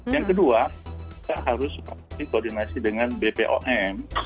yang kedua kita harus koordinasi dengan bpom